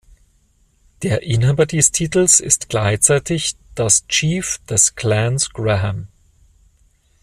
Der Inhaber des Titels ist gleichzeitig das Chief des Clans Graham.